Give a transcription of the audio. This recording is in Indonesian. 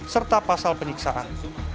serta pasal penyiksaan